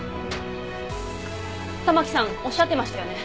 環さんおっしゃってましたよね